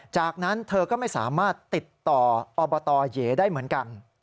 จากนั้นเธอก็ไม่สามารถติดต่ออบตเหยได้เหมือนกัน